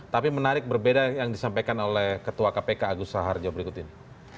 tapi menarik berbeda yang disampaikan oleh ketua kpk agus raharjo berikut ini